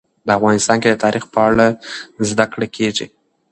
افغانستان کې د تاریخ په اړه زده کړه کېږي.